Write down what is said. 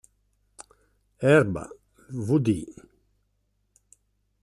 Erba, vd.